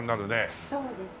そうですね。